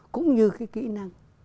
cũng như cái kỹ năng